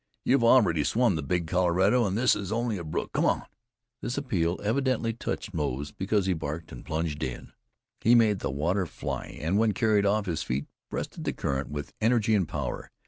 "You've already swum the Big Colorado, and this is only a brook. Come on!" This appeal evidently touched Moze, for he barked, and plunged in. He made the water fly, and when carried off his feet, breasted the current with energy and power.